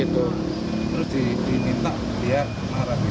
terus diminta biar marah